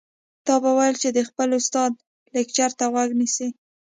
تا به ويل چې د خپل استاد لکچر ته غوږ نیسي.